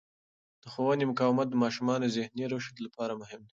د ښوونې مقاومت د ماشومانو ذهني رشد لپاره مهم دی.